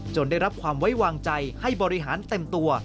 ได้รับความไว้วางใจให้บริหารเต็มตัว